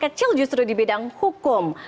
kecil justru di bidang hukum